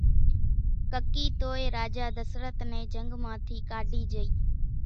ڪڪِي توئي راجا ڌسرت نين جنگ مان ٿي ڪاڍي جھئي۔